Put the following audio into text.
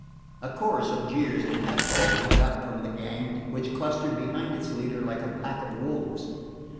A chorus of jeers and catcalls went up from the gang, which clustered behind its leader like a pack of wolves.